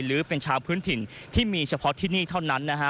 หรือเป็นชาวพื้นถิ่นที่มีเฉพาะที่นี่เท่านั้นนะฮะ